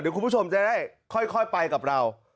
เดี๋ยวคุณผู้ชมจะได้ค่อยไปกับเรา